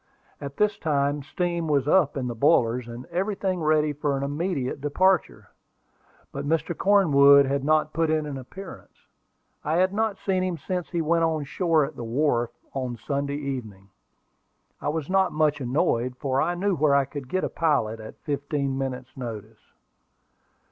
At this time steam was up in the boilers, and everything ready for an immediate departure. But Mr. Cornwood had not put in an appearance. I had not seen him since he went on shore at the wharf, on Saturday evening. I was not much annoyed, for I knew where I could get a pilot at fifteen minutes' notice.